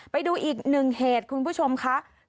ไปดูอีกหนึ่งเหตุคุณผู้ชมค่ะ